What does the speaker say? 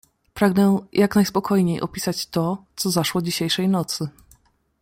"Pragnę jak najspokojniej opisać to, co zaszło dzisiejszej nocy."